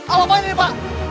apa ini pak